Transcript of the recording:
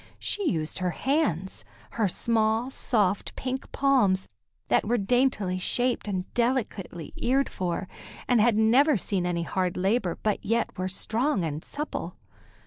She used her hands, her small, soft, pink palms, that were daintily shaped and delicately eared for, and had never seen any hard labor, but yet were strong and supple.